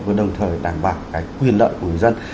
và đồng thời đảm bảo cái quyền lợi của người dân